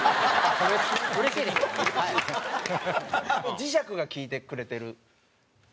磁石が利いてくれてる。